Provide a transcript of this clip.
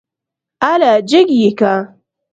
اله جګ يې که.